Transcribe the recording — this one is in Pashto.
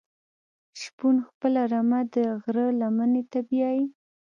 شپون خپله رمه د غره لمنی ته بیایی.